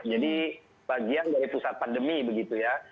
jadi bagian dari pusat pandemi begitu ya